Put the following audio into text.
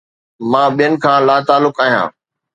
مان ٻين کان لاتعلق آهيان